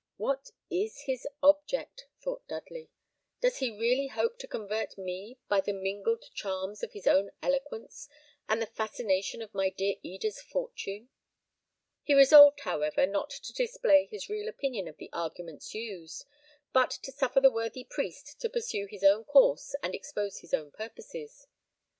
"What is his object?" thought Dudley. "Does he really hope to convert me by the mingled charms of his own eloquence, and the fascination of my dear Eda's fortune?" He resolved, however, not to display his real opinion of the arguments used, but to suffer the worthy priest to pursue his own course and expose his own purposes.